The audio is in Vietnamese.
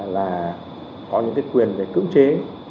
là có những quyền về cưỡng chế